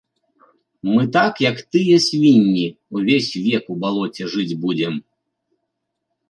Мы так, як тыя свінні, увесь век у балоце жыць будзем.